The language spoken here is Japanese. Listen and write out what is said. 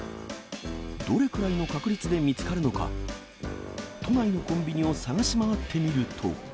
どれくらいの確率で見つかるのか、都内のコンビニを探し回ってみると。